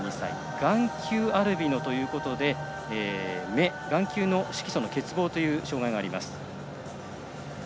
眼球アルビノということで目、眼球の色素の欠乏という障がいがあります。